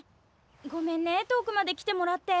ごめんね遠くまで来てもらって。